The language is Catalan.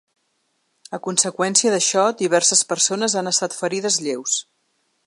A conseqüència d’això diverses persones han estat ferides lleus.